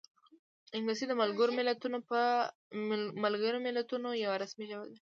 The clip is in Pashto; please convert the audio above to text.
انګلیسي د ملګرو ملتونو یوه رسمي ژبه ده